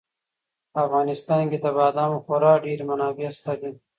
په افغانستان کې د بادامو خورا ډېرې منابع شته دي.